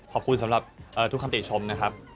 ขอบคุณสำหรับทุกคำติชมนะครับ